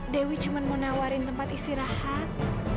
dewi cuma mau nawarin tempat istirahat